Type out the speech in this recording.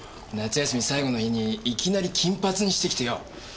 夏休み最後の日にいきなり金髪にしてきてよ。